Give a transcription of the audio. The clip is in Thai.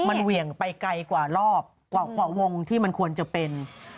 มันเหวี่ยงไปไกลกว่ารอบกว่าวงที่มันควรจะเป็น